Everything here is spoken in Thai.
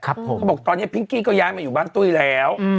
เขาบอกตอนนี้พิงกี้ก็ย้ายมาอยู่บ้านตุ้ยแล้ว